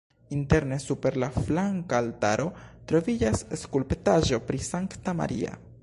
Interne super la flanka altaro troviĝas skulptaĵo pri Sankta Maria.